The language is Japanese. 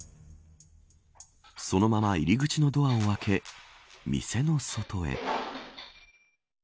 そのまま入り口のドアを開け店の外へ。